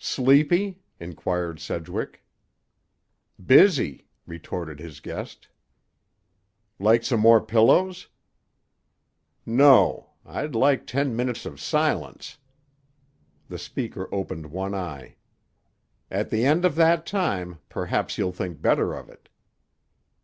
"Sleepy?" inquired Sedgwick. "Busy," retorted his guest. "Like some more pillows?" "No; I'd like ten minutes of silence." The speaker opened one eye. "At the end of that time perhaps you'll think better of it."